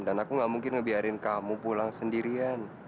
dan aku enggak mungkin ngebiarin kamu pulang sendirian